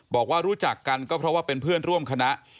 บอกว่ารู้จักกันก็เพราะว่าเป็นเพื่อนร่วมคณะ